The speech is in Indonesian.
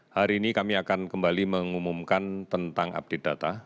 hari ini kami akan kembali mengumumkan tentang update data